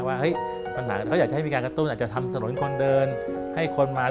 ว่าปัญหาเขาอยากจะให้มีการกระตุ้นอาจจะทำถนนคนเดินให้คนมา